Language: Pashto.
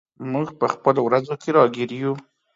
موږ په خپلو ورځو کې راګیر یو.